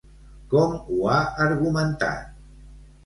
Com ho ha argumentat?